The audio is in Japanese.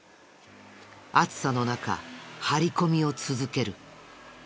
暑さの中張り込みを続ける。